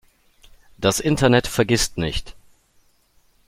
Das Internet vergisst nicht.